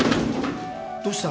どうした？